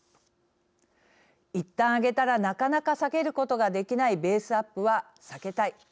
いったん上げたらなかなか下げることができないベースアップは避けたい。